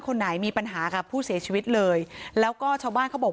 คนไหนมีปัญหากับผู้เสียชีวิตเลยแล้วก็ชาวบ้านเขาบอก